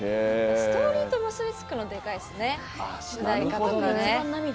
ストーリーと結び付くのでかいですね。